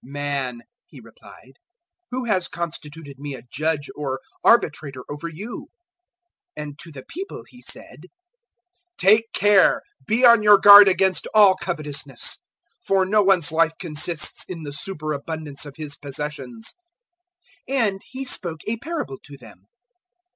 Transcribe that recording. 012:014 "Man," He replied, "who has constituted me a judge or arbitrator over you?" 012:015 And to the people He said, "Take care, be on your guard against all covetousness, for no one's life consists in the superabundance of his possessions." 012:016 And He spoke a parable to them.